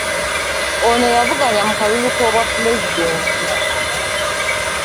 Ono yavuganya mu kalulu ak’obwapulezidenti.